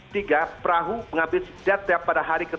tiga perahu menghabis jadat pada hari ketujuh